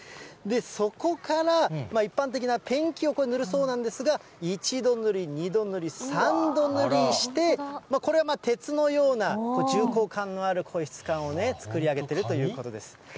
そこから一般的なペンキを塗るそうなんですが、１度塗り、２度塗り、３度塗りして、これは鉄のような重厚感のある、こういう質感を作り上げているということです。